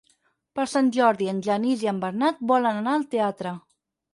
Per Sant Jordi en Genís i en Bernat volen anar al teatre.